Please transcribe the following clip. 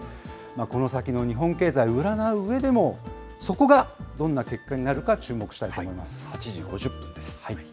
この先の日本経済を占ううえでも、そこがどんな結果になるか注目したいと思います。